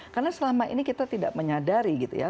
karena selama ini kita tidak menyadari gitu ya